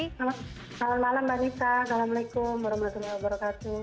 selamat malam mbak nita assalamualaikum wr wb